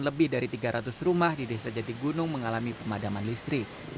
lebih dari tiga ratus rumah di desa jatigunung mengalami pemadaman listrik